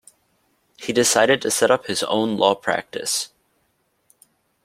He decided to set up his own law practice.